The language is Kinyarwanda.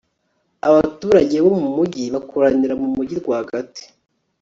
abaturage bo mu mugi bakoranira mu mugi rwagati